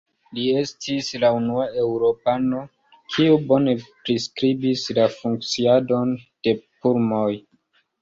Li estis la unua eŭropano, kiu bone priskribis la funkciadon de pulmoj.